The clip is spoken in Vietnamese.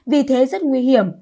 vì thế rất nguy hiểm